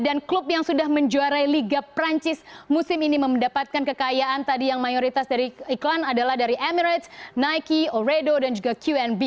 dan klub yang sudah menjuarai liga prancis musim ini mendapatkan kekayaan tadi yang mayoritas dari iklan adalah dari emirates nike oredo dan juga qnb